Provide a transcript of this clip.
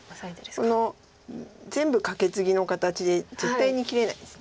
この全部カケツギの形で絶対に切れないです。